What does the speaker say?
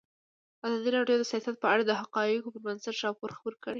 ازادي راډیو د سیاست په اړه د حقایقو پر بنسټ راپور خپور کړی.